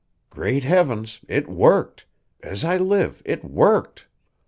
"Great heavens, it worked! As I live, it worked.